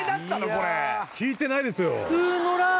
これ聞いてないですよ